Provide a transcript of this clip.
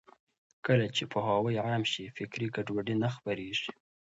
کله چې پوهاوی عام شي، فکري ګډوډي نه خپرېږي.